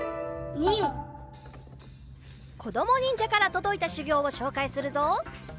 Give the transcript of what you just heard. こどもにんじゃからとどいたしゅぎょうをしょうかいするぞ。